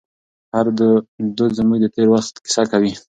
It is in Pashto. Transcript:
هر دود زموږ د تېر وخت کیسه کوي.